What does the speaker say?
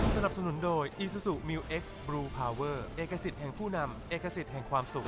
สนับสนุนโดยอีซูซูมิวเอ็กซ์บลูพาวเวอร์เอกสิทธิ์แห่งผู้นำเอกสิทธิ์แห่งความสุข